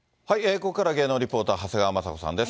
ここからは芸能リポーター、長谷川まさ子さんです。